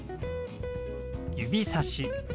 「指さし」。